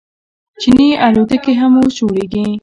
چیني الوتکې هم اوس جوړیږي.